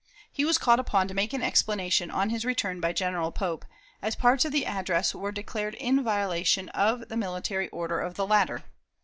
He was called upon to make an explanation on his return by General Pope, as parts of the address were declared in violation of the military order of the latter.